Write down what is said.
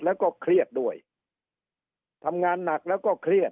แล้วก็เครียดด้วยทำงานหนักแล้วก็เครียด